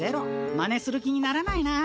まねする気にならないな。